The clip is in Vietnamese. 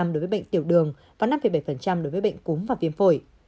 năm bảy đối với bệnh tiểu đường và năm bảy đối với bệnh cúm và viêm phổi